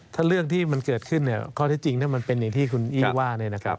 ถ้าเรื่องที่มันเกิดขึ้นข้อที่จริงถ้ามันเป็นอย่างที่คุณอี้ว่า